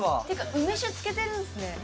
梅酒漬けてんすよ